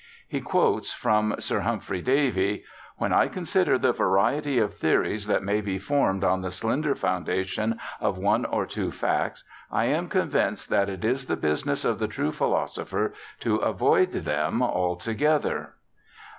He quotes from Sir Humphrey Davy: 'When I consider the variety of theories that may be formed on the slender foundation of one or two facts, I am convinced that it is the business of the true philosopher to avoid them altogether.'